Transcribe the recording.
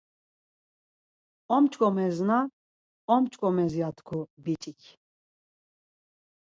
Omç̌ǩomesna omç̌ǩomes ya tku biç̌ik.